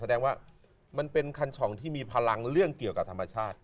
แสดงว่ามันเป็นคันฉ่องที่มีพลังเรื่องเกี่ยวกับธรรมชาติ